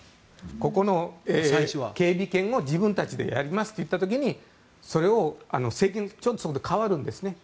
ここの権利権を自分たちでやりますといった時にそれを政権そこで代わるんですね。